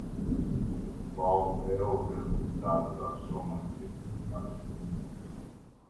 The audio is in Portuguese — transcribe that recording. Qual é o resultado da soma de um mais um?